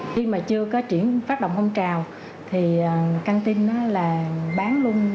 khi mà chưa có chuyển phát động hông trào thì can tin là bán luôn